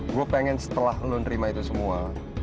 gue pengen setelah lo nerima itu semua